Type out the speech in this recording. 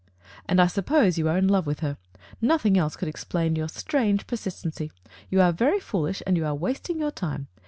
'*And I suppose you are in love with her. Nothing else could explain your strange per sistency. You are very foolish, and you are wasting your time.